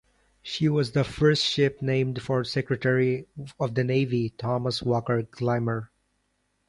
She was the first ship named for Secretary of the Navy Thomas Walker Gilmer.